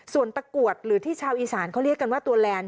ส่วนตะกรวดหรือที่ชาวอีสานเขาเรียกกันว่าตัวแลนด